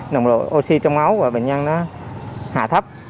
nồng độ oxy trong máu và bệnh nhân nó hạ thấp